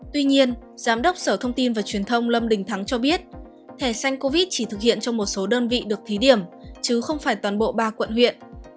tuy nhiên giám đốc sở thông tin và truyền thông lâm đình thắng cho biết thẻ xanh covid chỉ thực hiện cho một số đơn vị được thí điểm chứ không phải toàn bộ ba quận huyện